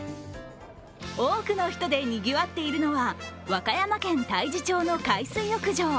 多くの人でにぎわっているのは和歌山県太地町の海水浴場。